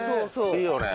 いいよね。